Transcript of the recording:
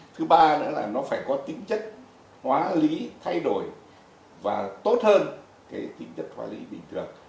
thứ ba nữa là nó phải có tính chất hóa lý thay đổi và tốt hơn cái tính chất hóa lý bình thường